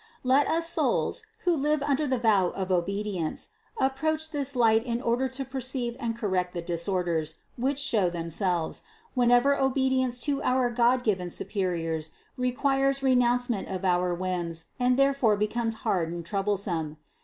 Let us souls, who live under the vow of obedience, approach this light in order to perceive and correct the disorders, which show themselves, whenever obedience to our god given superiors requires renouncement of our whims and therefore becomes hard and troublesome.